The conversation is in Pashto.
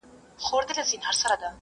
زړه یې لکه اوښکه د یعقوب راته زلال کړ ..